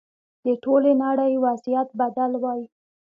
د ټولې نړۍ وضعیت بدل وای.